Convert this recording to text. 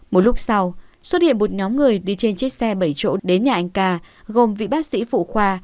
một lúc sau xuất hiện một nhóm người đi trên chiếc xe bảy chỗ đến nhà anh ca gồm vị bác sĩ phụ khoa